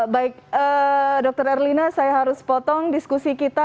baik dr erlina saya harus potong diskusi kita